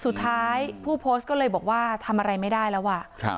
สุดท้ายผู้โพสต์ก็เลยบอกว่าทำอะไรไม่ได้แล้วอ่ะครับ